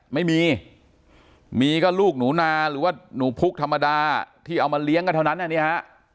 ไม่มีมีก็ลูกหนูนาหรือว่าหนูพุกธรรมดาที่เอามาเลี้ยงกันเท่านั้นอ่ะเนี่ยฮะ